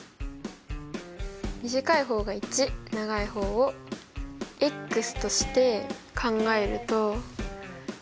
短い方が１長い方をとして考えると。